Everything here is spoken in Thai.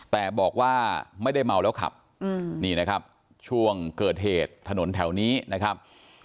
แต่บอกว่าไม่ได้เมาแล้วขับนี่นะครับช่วงเกิดเหตุถนนแถวนี้นะครับ